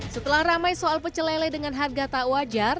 setelah ramai soal pecelele dengan harga tak wajar